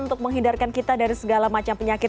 untuk menghindarkan kita dari segala macam penyakit